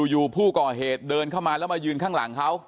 อยู่ผู้ก่อเหตุเดินเข้ามาแล้วมายืนข้างหลังเขา